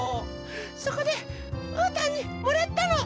そこでうーたんにもらったの。